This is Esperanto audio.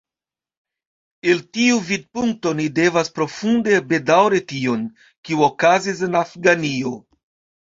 El tiu vidpunkto ni devas profunde bedaŭri tion, kio okazis en Afganio.